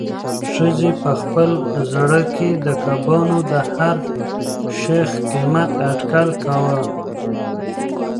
ښځې په خپل زړه کې د کبابو د هر سیخ قیمت اټکل کاوه.